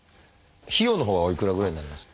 費用のほうはおいくらぐらいになりますか？